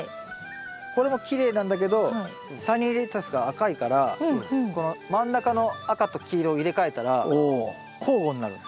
これもきれいなんだけどサニーレタスが赤いからこの真ん中の赤と黄色を入れ替えたら交互になる。